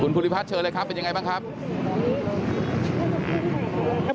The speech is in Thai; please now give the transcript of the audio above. ภูริพัฒนเชิญเลยครับเป็นยังไงบ้างครับ